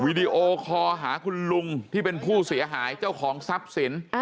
ดีโอคอหาคุณลุงที่เป็นผู้เสียหายเจ้าของทรัพย์สิน